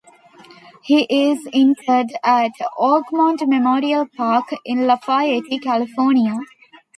He is interred at Oakmont Memorial Park, in Lafayette, California.